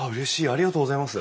ありがとうございます。